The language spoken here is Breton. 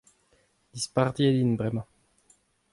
dispartiet int bremañ.